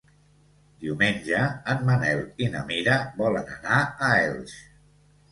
Diumenge en Manel i na Mira volen anar a Elx.